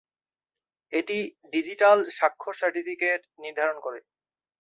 এটি ডিজিটাল স্বাক্ষর সার্টিফিকেট নির্ধারণ করে।